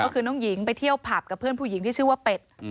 ก็คือน้องหญิงไปเที่ยวผับกับเพื่อนผู้หญิงที่ชื่อว่าเป็ด